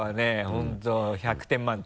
本当１００点満点。